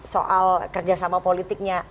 soal kerjasama politiknya